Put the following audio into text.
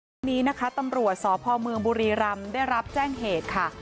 ตอนนี้นะคะตำรวจสมบุรีรำได้รับแจ้งเหตุค่ะ